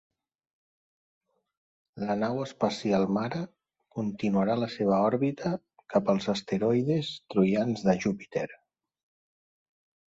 La nau espacial mare continuarà la seva òrbita cap als asteroides troians de Júpiter.